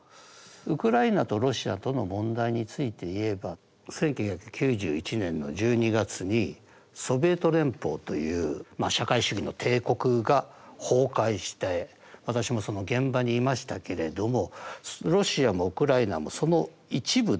ウクライナとロシアとの問題について言えば１９９１年の１２月にソビエト連邦という社会主義の帝国が崩壊して私もその現場にいましたけれどもロシアもウクライナもその一部だったんですね。